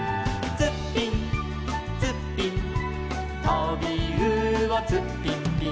「ツッピンツッピン」「とびうおツッピンピン」